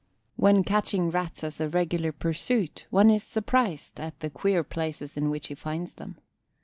When catching Rats as a regular pursuit, one is surprised at the queer places in which he finds them.